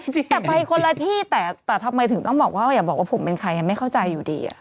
แต่ไปคนละที่แต่ทำไมถึงต้องบอกว่าอย่าบอกว่าผมเป็นใครไม่เข้าใจอยู่ดี